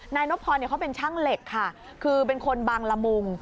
นายนบพรเขาเป็นช่างเหล็กค่ะคือเป็นคนบางละมุง